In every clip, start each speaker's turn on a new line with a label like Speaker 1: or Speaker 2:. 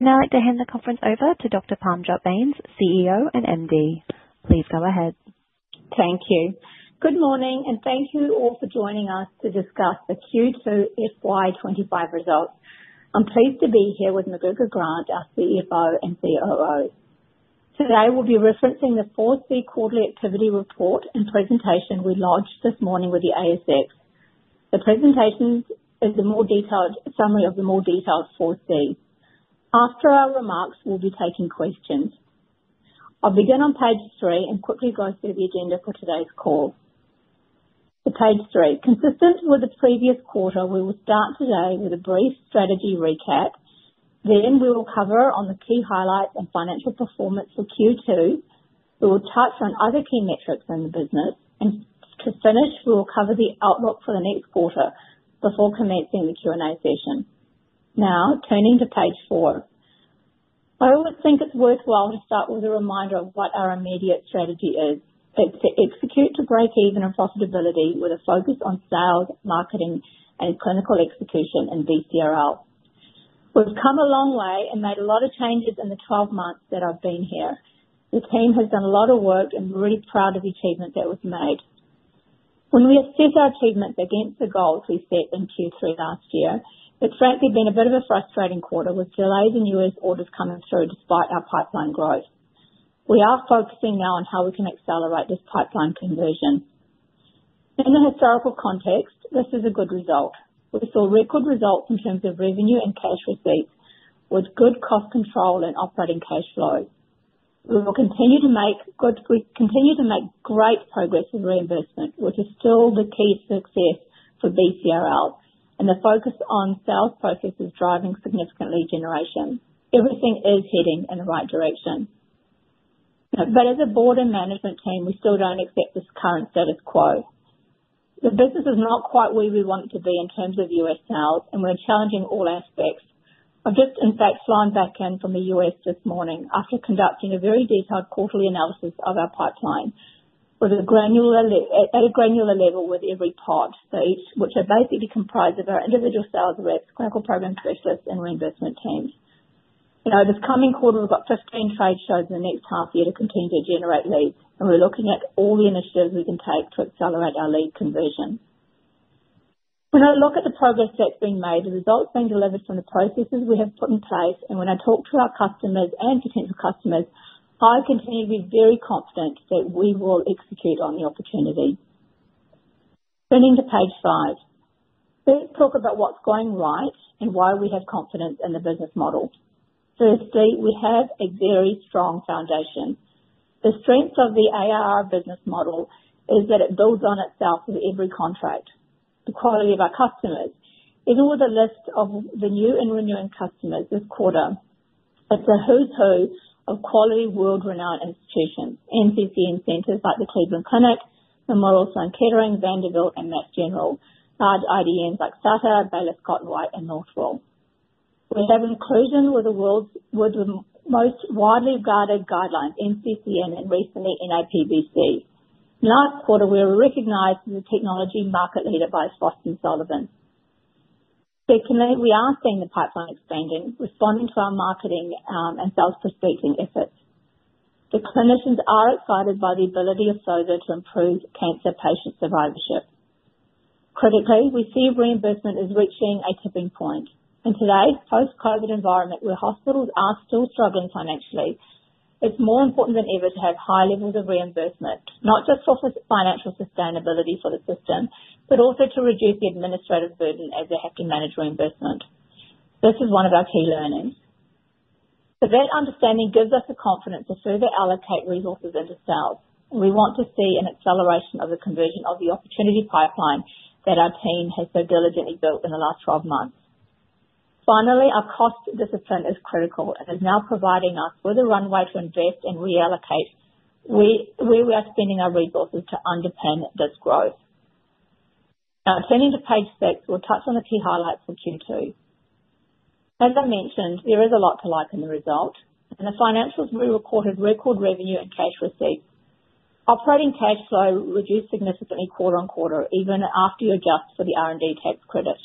Speaker 1: Now I'd like to hand the conference over to Dr. Parmjot Bains, CEO and MD. Please go ahead.
Speaker 2: Thank you. Good morning, and thank you all for joining us to discuss the Q2 FY25 results. I'm pleased to be here with McGregor Grant, our CFO and COO. Today we'll be referencing the 4C Quarterly Activity Report and presentation we launched this morning with the ASX. The presentation is a more detailed summary of the 4C. After our remarks, we'll be taking questions. I'll begin on page three and quickly go through the agenda for today's call. Page three, consistent with the previous quarter, we will start today with a brief strategy recap. Then we will cover on the key highlights and financial performance for Q2. We will touch on other key metrics in the business. And to finish, we will cover the outlook for the next quarter before commencing the Q&A session. Now, turning to page four, I always think it's worthwhile to start with a reminder of what our immediate strategy is. It's to execute to break even in profitability with a focus on sales, marketing, and clinical execution in BCRL. We've come a long way and made a lot of changes in the 12 months that I've been here. The team has done a lot of work and we're really proud of the achievements that were made. When we assess our achievements against the goals we set in Q3 last year, it's frankly been a bit of a frustrating quarter with delays in US orders coming through despite our pipeline growth. We are focusing now on how we can accelerate this pipeline conversion. In the historical context, this is a good result. We saw record results in terms of revenue and cash receipts with good cost control and operating cash flow. We continue to make great progress with reimbursement, which is still the key success for BCRL, and the focus on sales processes driving significant lead generation. Everything is heading in the right direction, but as a board and management team, we still don't accept this current status quo. The business is not quite where we want it to be in terms of U.S. sales, and we're challenging all aspects. I just, in fact, flew back in from the U.S. this morning after conducting a very detailed quarterly analysis of our pipeline at a granular level with every part, which are basically comprised of our individual sales reps, clinical program specialists, and reimbursement teams. This coming quarter, we've got 15 trade shows in the next half year to continue to generate leads, and we're looking at all the initiatives we can take to accelerate our lead conversion. When I look at the progress that's been made, the results being delivered from the processes we have put in place, and when I talk to our customers and potential customers, I continue to be very confident that we will execute on the opportunity. Turning to page five, let's talk about what's going right and why we have confidence in the business model. Firstly, we have a very strong foundation. The strength of the ARR business model is that it builds on itself with every contract. The quality of our customers, even with a list of the new and renewing customers this quarter, it's a who's who of quality world-renowned institutions, NCCN centers like the Cleveland Clinic, the Memorial Sloan Kettering, Vanderbilt, and Mass General, large IDNs like Sutter, Baylor Scott & White, and Northwell. We have inclusion with the world's most widely regarded guidelines, NCCN, and recently NAPBC. Last quarter, we were recognized as a technology market leader by Frost & Sullivan. Secondly, we are seeing the pipeline expanding, responding to our marketing and sales prospecting efforts. The clinicians are excited by the ability of SOZO to improve cancer patient survivorship. Critically, we see reimbursement as reaching a tipping point. In today's post-COVID environment, where hospitals are still struggling financially, it's more important than ever to have high levels of reimbursement, not just for financial sustainability for the system, but also to reduce the administrative burden as they have to manage reimbursement. This is one of our key learnings. So that understanding gives us the confidence to further allocate resources into sales. We want to see an acceleration of the conversion of the opportunity pipeline that our team has so diligently built in the last 12 months. Finally, our cost discipline is critical and is now providing us with a runway to invest and reallocate where we are spending our resources to underpin this growth. Now, turning to page six, we'll touch on the key highlights for Q2. As I mentioned, there is a lot to like in the result, and the financials we recorded record revenue and cash receipts. Operating cash flow reduced significantly quarter on quarter, even after you adjust for the R&D Tax Credit.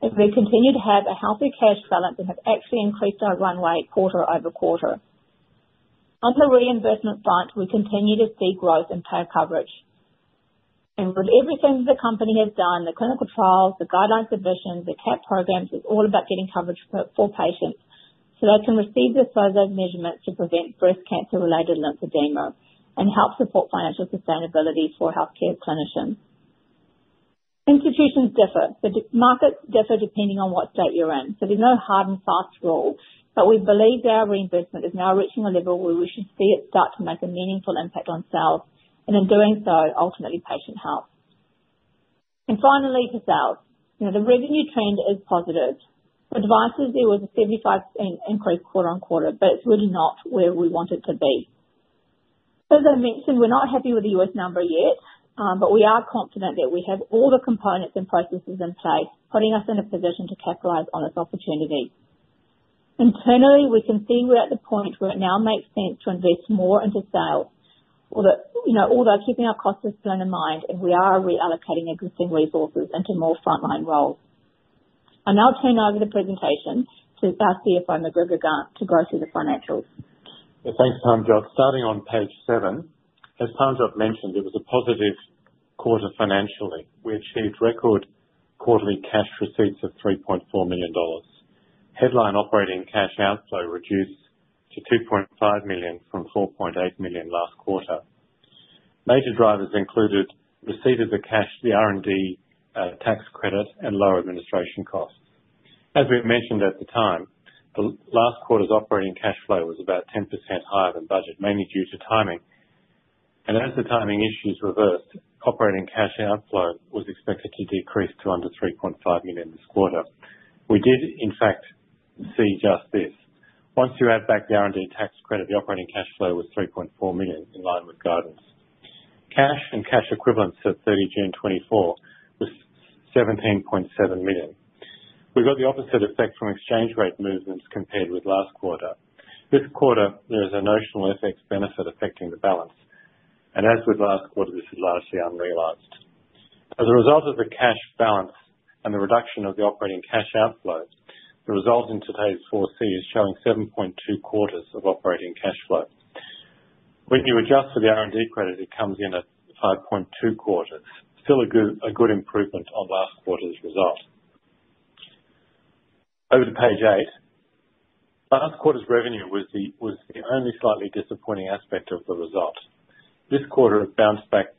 Speaker 2: If we continue to have a healthy cash balance, we have actually increased our runway quarter over quarter. On the reimbursement front, we continue to see growth in payer coverage. With everything the company has done, the clinical trials, the guideline submissions, the CAP programs, it's all about getting coverage for patients so they can receive the SOZO measurements to prevent breast cancer-related lymphedema and help support financial sustainability for healthcare clinicians. Institutions differ. The markets differ depending on what state you're in. So there's no hard and fast rule, but we believe our reimbursement is now reaching a level where we should see it start to make a meaningful impact on sales and, in doing so, ultimately patient health. Finally, for sales, the revenue trend is positive. Device sales there was a 75% increase quarter on quarter, but it's really not where we want it to be. As I mentioned, we're not happy with the U.S. number yet, but we are confident that we have all the components and processes in place, putting us in a position to capitalize on this opportunity. Internally, we can see we're at the point where it now makes sense to invest more into sales, although keeping our cost discipline in mind, and we are reallocating existing resources into more frontline roles. I'll now turn over the presentation to our CFO, McGregor Grant, to go through the financials.
Speaker 3: Thanks, Parmjot. Starting on page seven, as Parmjot mentioned, it was a positive quarter financially. We achieved record quarterly cash receipts of 3.4 million dollars. Headline operating cash outflow reduced to 2.5 million from 4.8 million last quarter. Major drivers included receipt of the cash, the R&D tax credit, and lower administration costs. As we had mentioned at the time, the last quarter's operating cash flow was about 10% higher than budget, mainly due to timing. And as the timing issues reversed, operating cash outflow was expected to decrease to under 3.5 million this quarter. We did, in fact, see just this. Once you add back the R&D tax credit, the operating cash flow was 3.4 million in line with guidance. Cash and cash equivalents at 30 June 2024 was 17.7 million. We got the opposite effect from exchange rate movements compared with last quarter. This quarter, there is a notional effects benefit affecting the balance, and as with last quarter, this is largely unrealized. As a result of the cash balance and the reduction of the operating cash outflow, the result in today's 4C is showing 7.2 quarters of operating cash flow. When you adjust for the R&D credit, it comes in at 5.2 quarters. Still a good improvement on last quarter's result. Over to page eight. Last quarter's revenue was the only slightly disappointing aspect of the result. This quarter bounced back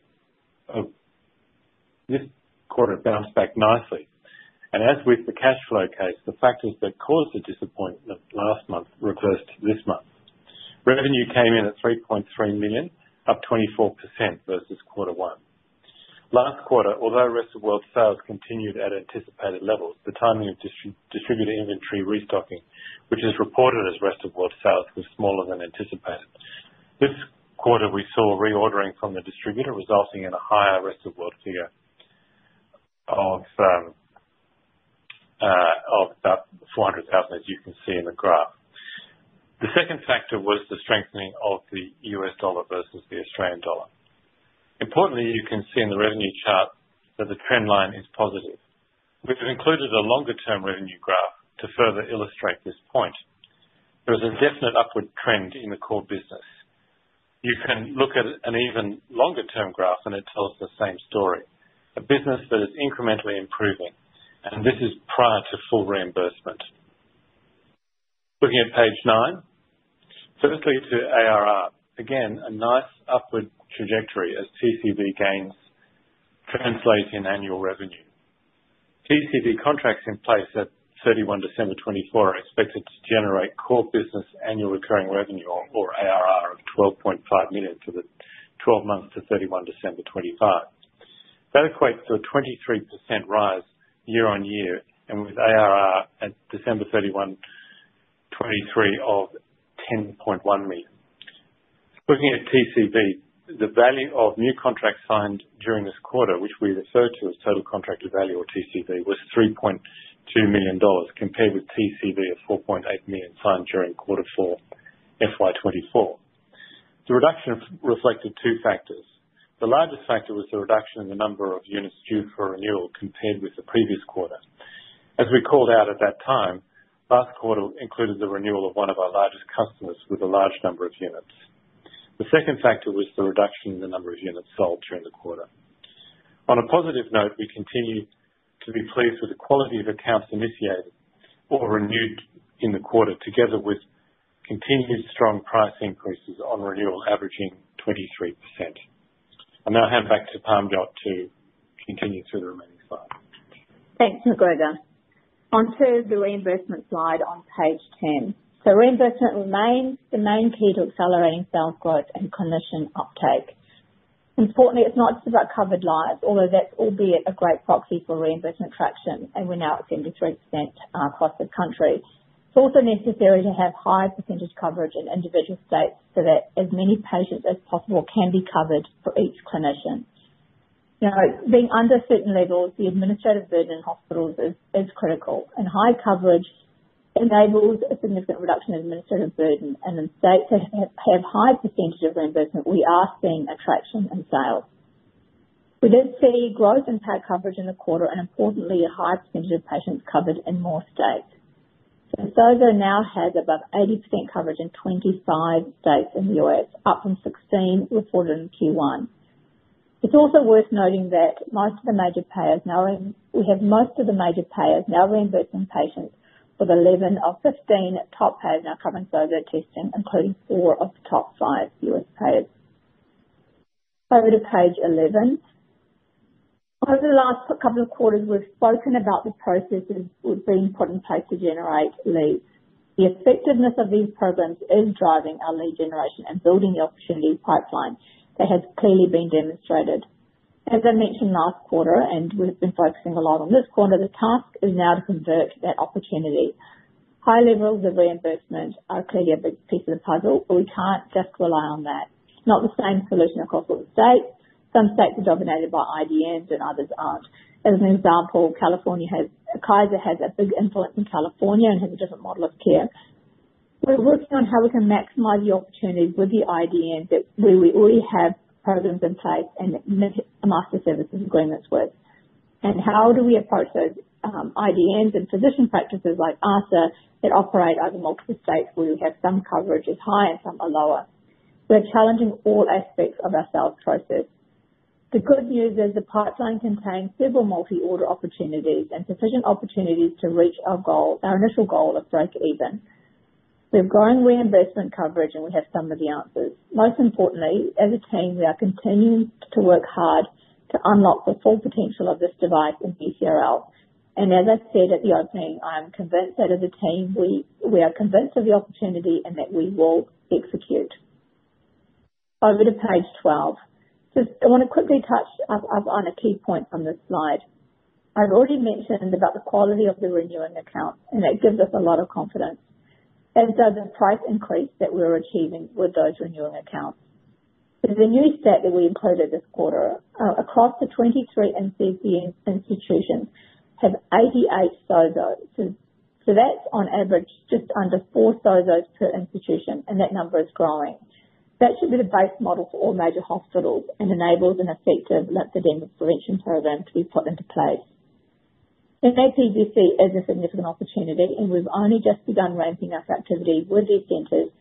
Speaker 3: nicely, and as with the cash flow case, the factors that caused the disappointment last month reversed this month. Revenue came in at 3.3 million, up 24% versus quarter one. Last quarter, although rest of world sales continued at anticipated levels, the timing of distributor inventory restocking, which is reported as rest of world sales, was smaller than anticipated. This quarter, we saw reordering from the distributor, resulting in a higher rest of world figure of about 400,000, as you can see in the graph. The second factor was the strengthening of the U.S. dollar versus the Australian dollar. Importantly, you can see in the revenue chart that the trend line is positive. We've included a longer-term revenue graph to further illustrate this point. There is a definite upward trend in the core business. You can look at an even longer-term graph, and it tells the same story. A business that is incrementally improving, and this is prior to full reimbursement. Looking at page nine, firstly to ARR. Again, a nice upward trajectory as TCV gains translate in annual revenue. TCV contracts in place at 31 December 2024 are expected to generate core business annual recurring revenue, or ARR, of 12.5 million for the 12 months to 31 December 2025. That equates to a 23% rise year on year, and with ARR at December 31, 2023, of 10.1 million. Looking at TCV, the value of new contracts signed during this quarter, which we refer to as total contract value, or TCV, was 3.2 million dollars, compared with TCV of 4.8 million signed during quarter four, FY24. The reduction reflected two factors. The largest factor was the reduction in the number of units due for renewal, compared with the previous quarter. As we called out at that time, last quarter included the renewal of one of our largest customers with a large number of units. The second factor was the reduction in the number of units sold during the quarter. On a positive note, we continue to be pleased with the quality of accounts initiated or renewed in the quarter, together with continued strong price increases on renewal, averaging 23%. I'll now hand back to Parmjot to continue through the remaining slide.
Speaker 2: Thanks, McGregor. Onto the reimbursement slide on page ten. So reimbursement remains the main key to accelerating sales growth and commission uptake. Importantly, it's not just about covered lives, although that's albeit a great proxy for reimbursement traction, and we're now at 73% across the country. It's also necessary to have high percentage coverage in individual states so that as many patients as possible can be covered for each clinician. Being under certain levels, the administrative burden in hospitals is critical. And high coverage enables a significant reduction in administrative burden. And in states that have high percentage of reimbursement, we are seeing traction in sales. We did see growth in payer coverage in the quarter, and importantly, a high percentage of patients covered in more states. So SOZO now has above 80% coverage in 25 states in the U.S., up from 16 reported in Q1. It's also worth noting that most of the major payers now, we have most of the major payers now reimbursing patients, with 11 of 15 top payers now covering SOZO testing, including four of the top five U.S. payers. Over to page 11. Over the last couple of quarters, we've spoken about the processes we've been put in place to generate leads. The effectiveness of these programs is driving our lead generation and building the opportunity pipeline. They have clearly been demonstrated. As I mentioned last quarter, and we've been focusing a lot on this quarter, the task is now to convert that opportunity. High levels of reimbursement are clearly a big piece of the puzzle, but we can't just rely on that. It's not the same solution across all states. Some states are dominated by IDNs, and others aren't. As an example, Kaiser has a big influence in California and has a different model of care. We're working on how we can maximize the opportunities with the IDNs where we already have programs in place and master services agreements with, and how do we approach those IDNs and physician practices like ASA that operate over multiple states where we have some coverage is high and some are lower? We're challenging all aspects of our sales process. The good news is the pipeline contains several multi-order opportunities and sufficient opportunities to reach our initial goal of break-even. We have growing reimbursement coverage, and we have some of the answers. Most importantly, as a team, we are continuing to work hard to unlock the full potential of this device in BCRL. As I said at the opening, I am convinced that as a team, we are convinced of the opportunity and that we will execute. Over to page 12. I want to quickly touch on a key point from this slide. I've already mentioned about the quality of the renewing accounts, and that gives us a lot of confidence. As does the price increase that we're achieving with those renewing accounts. There's a new stat that we included this quarter. Across the 23 NCCN institutions, we have 88 SOZOs. So that's, on average, just under four SOZOs per institution, and that number is growing. That should be the base model for all major hospitals and enables an effective lymphedema prevention program to be put into place. NAPBC is a significant opportunity, and we've only just begun ramping up activity with these centers,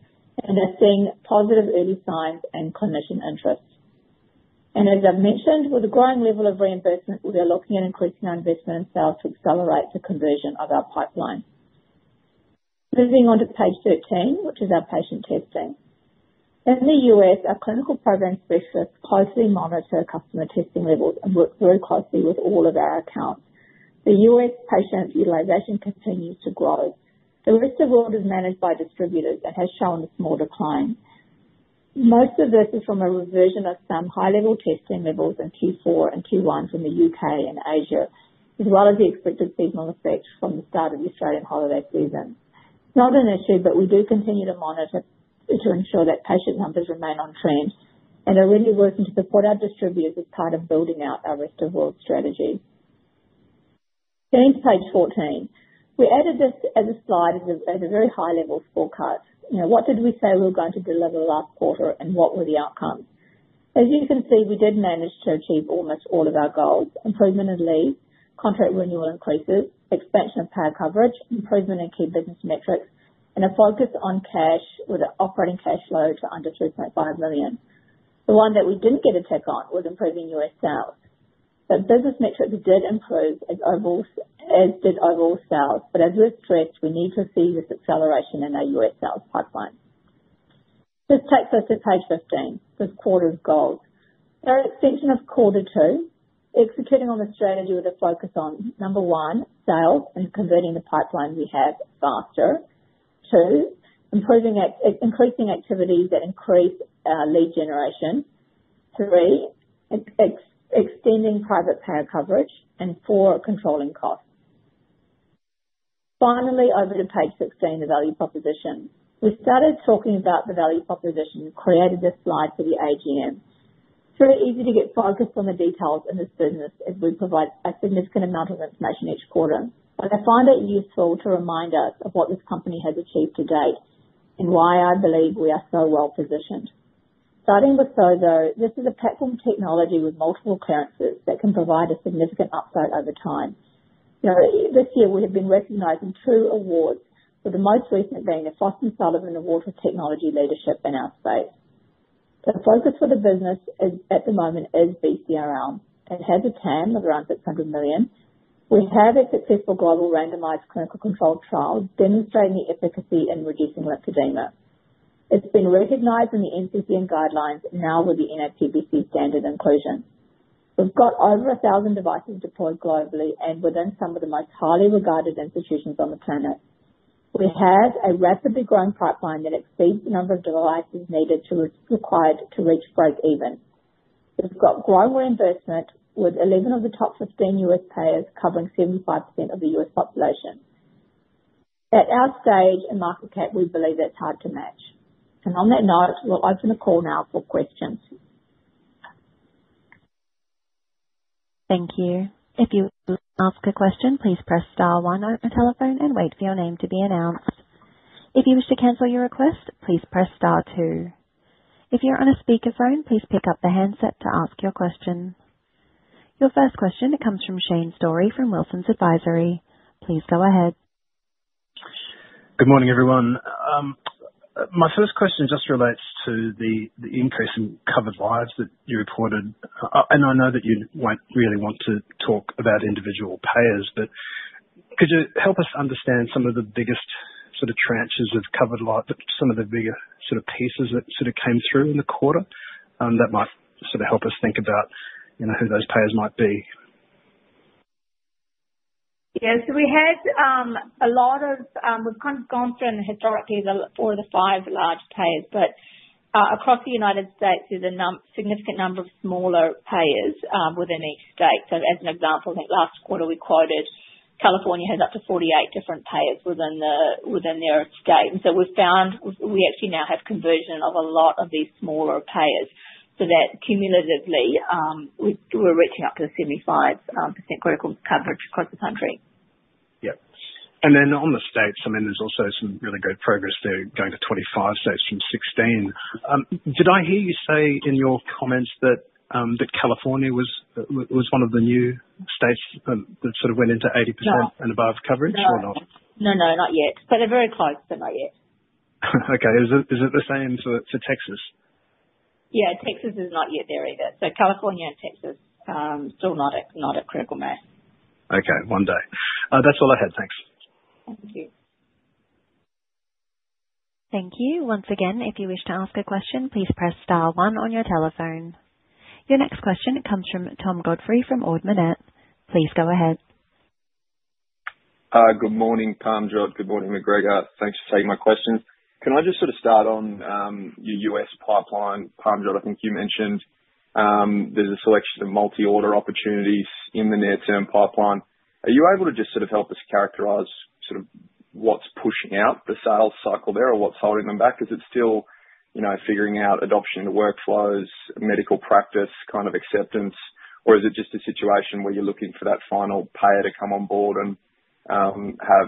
Speaker 2: and they're seeing positive early signs and clinician interest, and as I've mentioned, with a growing level of reimbursement, we are looking at increasing our investment in sales to accelerate the conversion of our pipeline. Moving on to page 13, which is our patient testing. In the U.S., our clinical program specialists closely monitor customer testing levels and work very closely with all of our accounts. The U.S. patient utilization continues to grow. The rest of the world is managed by distributors and has shown a small decline. Most of this is from a reversion of some high-level testing levels in Q4 and Q1 from the U.K. and Asia, as well as the expected seasonal effects from the start of the Australian holiday season. It's not an issue, but we do continue to monitor to ensure that patient numbers remain on trend and are really working to support our distributors as part of building out our rest of world strategy. Going to page 14. We added this as a slide as a very high-level forecast. What did we say we were going to deliver last quarter, and what were the outcomes? As you can see, we did manage to achieve almost all of our goals: improvement in leads, contract renewal increases, expansion of payer coverage, improvement in key business metrics, and a focus on cash with an operating cash flow to under 3.5 million. The one that we didn't get a take on was improving US sales. But business metrics did improve, as did overall sales. But as we've stressed, we need to see this acceleration in our US sales pipeline. This takes us to page 15, this quarter's goals. Our execution of quarter two, executing on the strategy with a focus on, number one, sales and converting the pipeline we have faster. Two, increasing activities that increase lead generation. Three, extending private payer coverage. And four, controlling costs. Finally, over to page 16, the value proposition. We started talking about the value proposition and created this slide for the AGM. It's very easy to get focused on the details in this business as we provide a significant amount of information each quarter. But I find it useful to remind us of what this company has achieved to date and why I believe we are so well positioned. Starting with SOZO, this is a platform technology with multiple clearances that can provide a significant upside over time. This year, we have been recognized in two awards, with the most recent being the Frost & Sullivan Award for technology leadership in our state. The focus for the business at the moment is BCRL. It has a TAM of around $600 million. We have a successful global randomized clinical control trial demonstrating the efficacy in reducing lymphedema. It's been recognized in the NCCN guidelines, now with the NAPBC standard inclusion. We've got over 1,000 devices deployed globally and within some of the most highly regarded institutions on the planet. We have a rapidly growing pipeline that exceeds the number of devices required to reach break-even. We've got growing reimbursement with 11 of the top 15 US payers covering 75% of the US population. At our stage in market cap, we believe that's hard to match, and on that note, we'll open the call now for questions.
Speaker 1: Thank you. If you would like to ask a question, please press star one on your telephone and wait for your name to be announced. If you wish to cancel your request, please press star two. If you're on a speakerphone, please pick up the handset to ask your question. Your first question comes from Shane Storey from Wilsons Advisory. Please go ahead.
Speaker 4: Good morning, everyone. My first question just relates to the increase in covered lives that you reported. And I know that you won't really want to talk about individual payers, but could you help us understand some of the biggest sort of tranches of covered lives, some of the bigger sort of pieces that sort of came through in the quarter that might sort of help us think about who those payers might be?
Speaker 2: Yeah. So we had a lot of. We've kind of gone through them historically as four of the five large payers. But across the United States, there's a significant number of smaller payers within each state. So as an example, I think last quarter we quoted California has up to 48 different payers within their state. And so we've found we actually now have conversion of a lot of these smaller payers. So that cumulatively, we're reaching up to 75% commercial coverage across the country.
Speaker 4: Yep. And then on the states, I mean, there's also some really good progress there going to 25 states from 16. Did I hear you say in your comments that California was one of the new states that sort of went into 80% and above coverage or not?
Speaker 2: No, no, not yet, but they're very close, but not yet.
Speaker 4: Okay. Is it the same for Texas?
Speaker 2: Yeah. Texas is not yet there either, so California and Texas still not a critical mass.
Speaker 4: Okay. One day. That's all I had. Thanks.
Speaker 2: Thank you.
Speaker 1: Thank you. Once again, if you wish to ask a question, please press star one on your telephone. Your next question comes from Tom Godfrey from Ord Minnett. Please go ahead.
Speaker 5: Hi, good morning, Parmjot. Good morning, McGregor. Thanks for taking my question. Can I just sort of start on your U.S. pipeline, Parmjot? I think you mentioned there's a selection of multi-order opportunities in the near-term pipeline. Are you able to just sort of help us characterize sort of what's pushing out the sales cycle there or what's holding them back? Is it still figuring out adoption into workflows, medical practice kind of acceptance, or is it just a situation where you're looking for that final payer to come on board and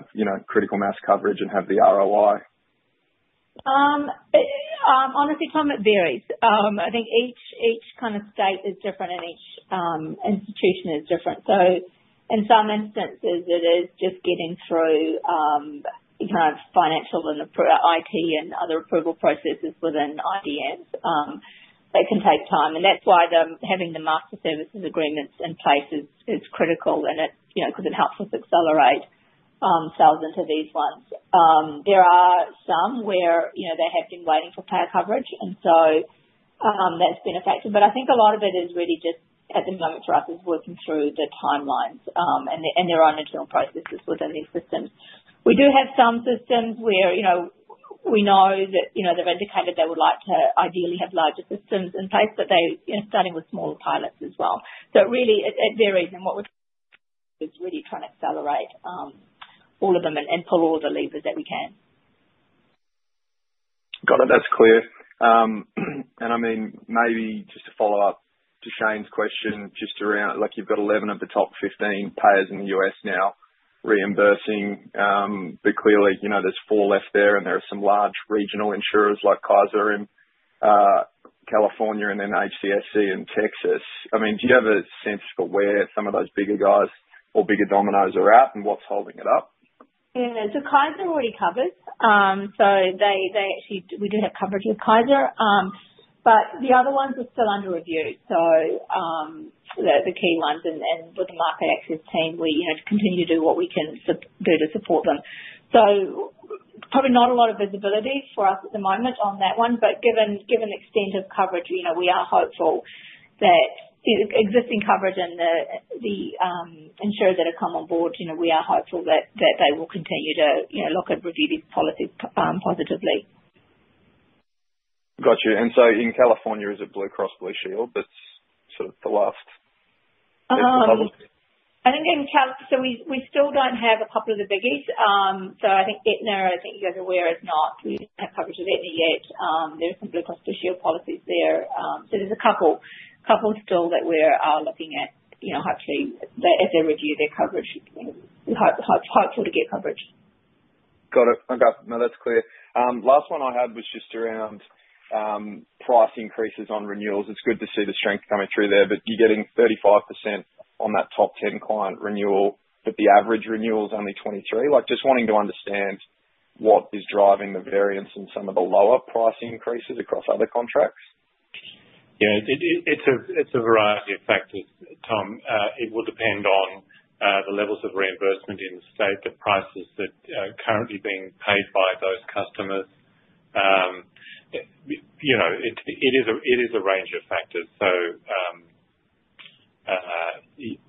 Speaker 5: have critical mass coverage and have the ROI?
Speaker 2: Honestly, Tom, it varies. I think each kind of state is different and each institution is different, so in some instances, it is just getting through kind of financial and IT and other approval processes within IDNs. That can take time, and that's why having the master services agreements in place is critical because it helps us accelerate sales into these ones. There are some where they have been waiting for payer coverage, and so that's been affected, but I think a lot of it is really just at the moment for us is working through the timelines, and there are initial processes within these systems. We do have some systems where we know that they've indicated they would like to ideally have larger systems in place, but they're starting with smaller pilots as well, so really, it varies. What we're doing is really trying to accelerate all of them and pull all the levers that we can.
Speaker 5: Got it. That's clear. And I mean, maybe just to follow up to Shane's question, just around you've got 11 of the top 15 payers in the U.S. now reimbursing. But clearly, there's four left there, and there are some large regional insurers like Kaiser in California and then HCSC in Texas. I mean, do you have a sense for where some of those bigger guys or bigger dominoes are at and what's holding it up?
Speaker 2: Yeah, so Kaiser already covers, so we do have coverage with Kaiser, but the other ones are still under review, so the key ones, and with the market access team, we continue to do what we can do to support them, so probably not a lot of visibility for us at the moment on that one, but given the extent of coverage, we are hopeful that existing coverage and the insurers that have come on board, we are hopeful that they will continue to look to review these policies positively.
Speaker 5: Gotcha. And so in California, is it Blue Cross Blue Shield that's sort of the last?
Speaker 2: I think in California, so we still don't have a couple of the biggies. So I think Aetna, I think you guys are aware, is not. We didn't have coverage with Aetna yet. There are some Blue Cross Blue Shield policies there. So there's a couple still that we're looking at, hopefully, as they review their coverage. We're hopeful to get coverage.
Speaker 5: Got it. Okay. No, that's clear. Last one I had was just around price increases on renewals. It's good to see the strength coming through there. But you're getting 35% on that top 10 client renewal, but the average renewal is only 23%. Just wanting to understand what is driving the variance in some of the lower price increases across other contracts.
Speaker 3: Yeah. It's a variety of factors, Tom. It will depend on the levels of reimbursement in the state, the prices that are currently being paid by those customers. It is a range of factors. So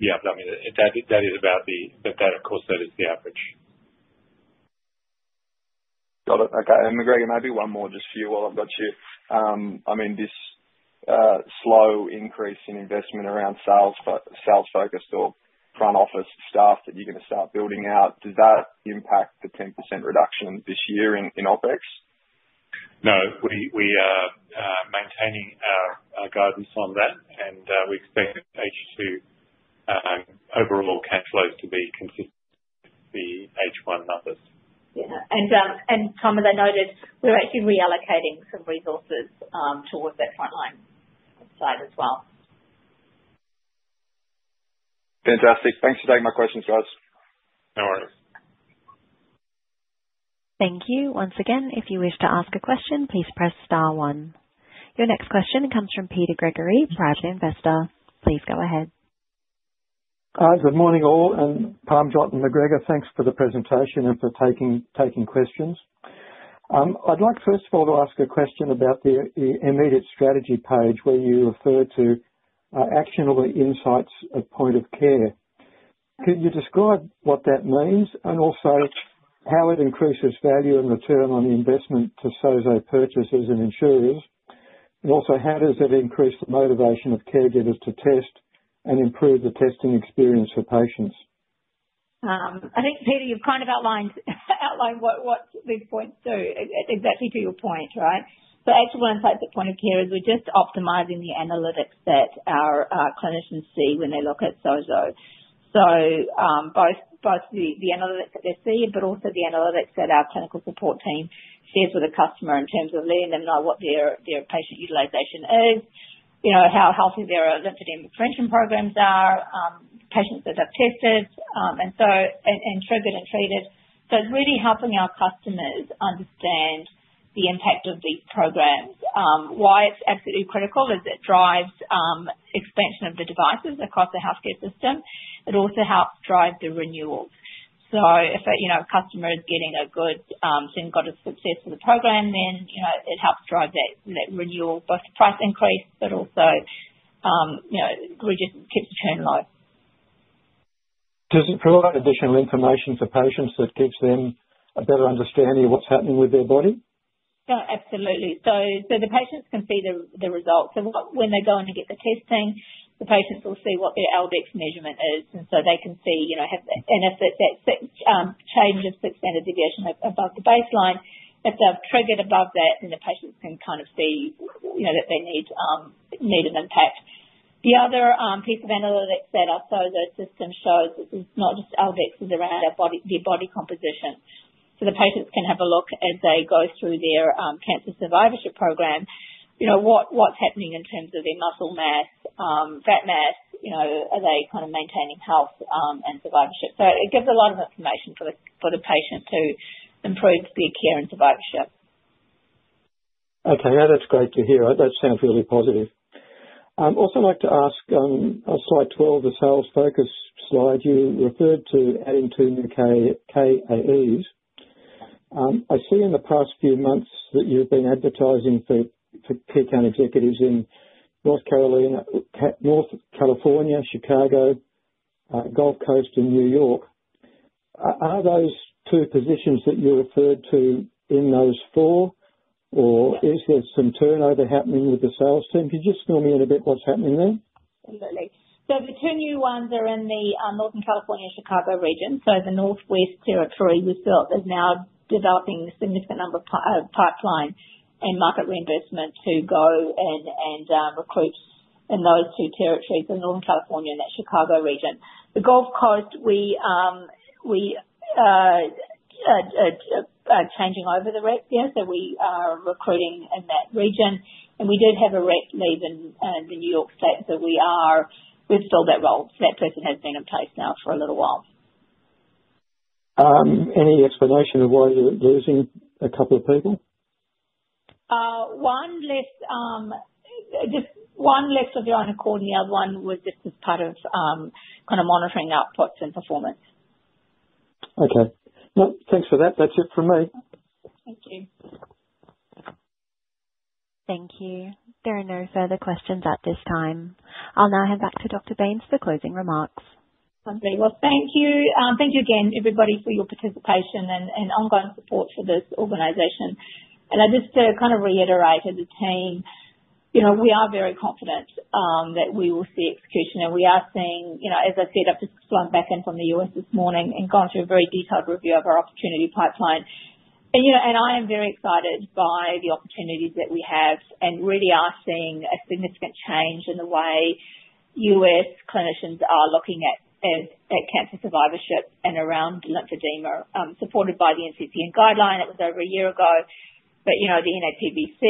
Speaker 3: yeah, I mean, that is about the, but that, of course, that is the average.
Speaker 5: Got it. Okay. And McGregor, maybe one more just for you while I've got you. I mean, this slow increase in investment around sales-focused or front-office staff that you're going to start building out, does that impact the 10% reduction this year in OpEx?
Speaker 3: No. We are maintaining our guidance on that, and we expect H2 overall cash flows to be consistent with the H1 numbers.
Speaker 2: Tom, as I noted, we're actually reallocating some resources towards that frontline side as well.
Speaker 5: Fantastic. Thanks for taking my questions, guys.
Speaker 4: No worries.
Speaker 1: Thank you. Once again, if you wish to ask a question, please press star one. Your next question comes from Peter Gregory, Private Investor. Please go ahead.
Speaker 6: Hi, good morning all. Parmjot and McGregor, thanks for the presentation and for taking questions. I'd like, first of all, to ask a question about the immediate strategy page where you refer to actionable insights of point of care. Could you describe what that means and also how it increases value and return on investment to SOZO purchasers and insurers? And also, how does it increase the motivation of caregivers to test and improve the testing experience for patients?
Speaker 2: I think, Peter, you've kind of outlined what these points do, exactly to your point, right? So actually, one of the points of care is we're just optimizing the analytics that our clinicians see when they look at SOZO. So both the analytics that they see, but also the analytics that our clinical support team shares with the customer in terms of letting them know what their patient utilization is, how healthy their lymphedema prevention programs are, patients that have tested, and triggered and treated. So it's really helping our customers understand the impact of these programs. Why it's absolutely critical is it drives expansion of the devices across the healthcare system. It also helps drive the renewals. So if a customer is getting a good single-dose success with the program, then it helps drive that renewal, both the price increase, but also it keeps the churn low.
Speaker 6: Does it provide additional information for patients that gives them a better understanding of what's happening with their body?
Speaker 2: Yeah, absolutely. So the patients can see the results. So when they go in and get the testing, the patients will see what their L-Dex measurement is. And so they can see if that change of six standard deviation above the baseline, if they're triggered above that, then the patients can kind of see that they need an impact. The other piece of analytics that our SOZO system shows is not just L-Dex, it's around their body composition. So the patients can have a look as they go through their cancer survivorship program, what's happening in terms of their muscle mass, fat mass, are they kind of maintaining health and survivorship. So it gives a lot of information for the patient to improve their care and survivorship.
Speaker 6: Okay. Yeah, that's great to hear. That sounds really positive. I'd also like to ask on slide 12, the sales-focused slide, you referred to adding two new KAEs. I see in the past few months that you've been advertising for key account executives in North Carolina, Northern California, Chicago, Gulf Coast, and New York. Are those two positions that you referred to in those four, or is there some turnover happening with the sales team? Could you just fill me in a bit what's happening there?
Speaker 2: Absolutely. So the two new ones are in the Northern California, Chicago region. So the Northwest Territory we've built is now developing a significant number of pipeline and market reimbursement to go and recruit in those two territories, the Northern California and that Chicago region. The Gulf Coast, we are changing over the rep there. So we are recruiting in that region. And we did have a rep leave in the New York State. So we've filled that role. So that person has been in place now for a little while.
Speaker 6: Any explanation of why you're losing a couple of people?
Speaker 2: One was let go and the other one was just as part of kind of monitoring outputs and performance.
Speaker 6: Okay. No, thanks for that. That's it for me.
Speaker 2: Thank you.
Speaker 1: Thank you. There are no further questions at this time. I'll now hand back to Dr. Bains for closing remarks.
Speaker 2: Wonderful. Well, thank you. Thank you again, everybody, for your participation and ongoing support for this organization, and just to kind of reiterate as a team, we are very confident that we will see execution, and we are seeing, as I said, I've just flown back in from the U.S. this morning and gone through a very detailed review of our opportunity pipeline, and I am very excited by the opportunities that we have and really are seeing a significant change in the way U.S. clinicians are looking at cancer survivorship and around lymphedema, supported by the NCCN guideline. It was over a year ago, but the NAPBC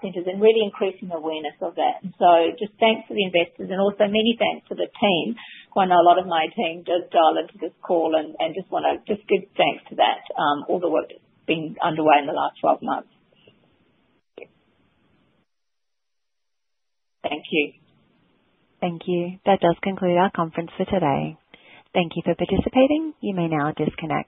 Speaker 2: centers and really increasing awareness of that, and so just thanks to the investors and also many thanks to the team. I know a lot of my team does dial into this call and just want to just give thanks to that, all the work that's been underway in the last 12 months. Thank you.
Speaker 1: Thank you. That does conclude our conference for today. Thank you for participating. You may now disconnect.